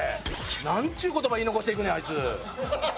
なんちゅう言葉言い残していくねんあいつ。